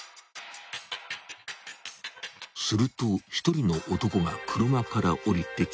［すると一人の男が車から降りてきた］